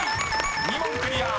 ２問クリア！